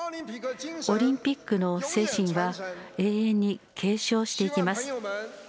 オリンピックの精神は永遠に継承していきます。